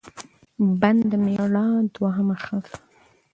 بن د مېړه دوهمه ښځه